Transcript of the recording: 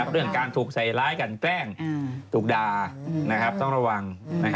เรื่องการถูกใส่ร้ายกันแกล้งถูกด่าต้องระวัง